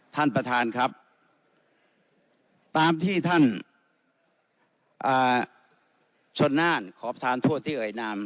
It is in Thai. ท่านประธานครับตามที่ท่านชนน่านขอประธานโทษที่เอ่ยนาม